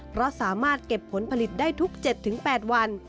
เพราะสามารถเก็บผลผลิตได้ทุก๗๘วัน